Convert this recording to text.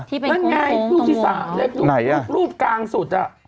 ที่เป็นคุ้มโค้งตรงหัวไหนอ่ะรูปกลางสุดอ่ะ